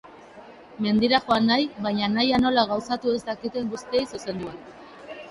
Mendira joan nahi, baina nahia nola gauzatu ez dakiten guztiei zuzendua.